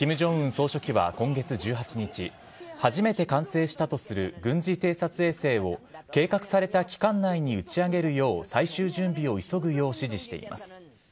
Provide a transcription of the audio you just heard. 総書記は今月１８日、初めて完成したとする軍事偵察衛星を計画された期間内に打ち上げるよう、最終準備を急ぐよう指示しています。